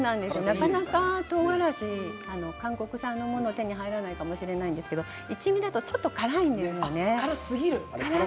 なかなか韓国産のものが手に入らないかもしれないですけれども、一味だとちょっと辛いんですね。